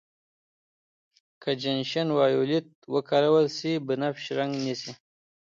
که جنشن وایولېټ وکارول شي بنفش رنګ نیسي.